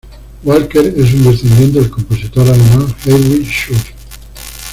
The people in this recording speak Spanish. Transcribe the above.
Walker es un descendiente del compositor alemán Heinrich Schütz.